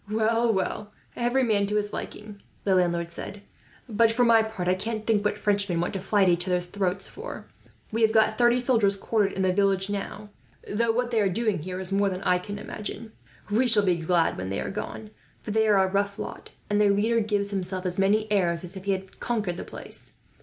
"Well, well, every man to his liking," the landlord said; "but for my part, I can't think what Frenchmen want to fly at each others' throats for. We have got thirty soldiers quartered in the village now, though what they are doing here is more than I can imagine. We shall be glad when they are gone; for they are a rough lot, and their leader gives himself as many airs as if he had conquered the place.